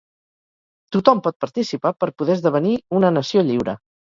Tothom pot participar per poder esdevenir una nació lliure.